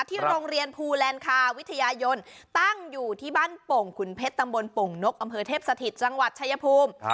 ที่โรงเรียนภูแลนดคาวิทยายนตั้งอยู่ที่บ้านโป่งขุนเพชรตำบลโป่งนกอำเภอเทพสถิตจังหวัดชายภูมิ